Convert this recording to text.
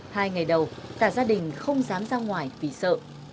hai ngày đầu cả gia đình không dám ra ngoài vì sợ